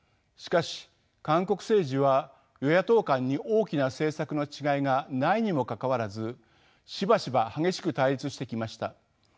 しかし韓国政治は与野党間に大きな政策の違いがないにもかかわらずしばしば激しく対立してきました。